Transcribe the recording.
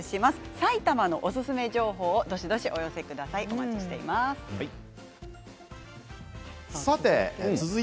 埼玉のおすすめ情報をどしどしお寄せください。